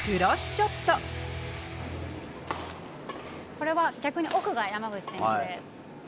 これは逆に奥が山口選手です。